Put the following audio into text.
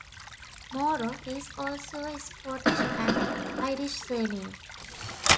"Morrow" is also a Scottish and Irish surname.